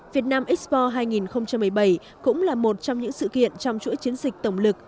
việt nam expo hai nghìn một mươi bảy cũng là một trong những sự kiện trong chuỗi chiến dịch tổng lực